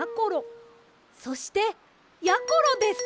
そしてやころです！